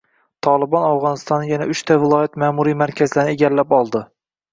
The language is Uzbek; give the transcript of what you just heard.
“Tolibon” Afg‘onistonning yana uchta viloyat ma’muriy markazlarini egallab oldi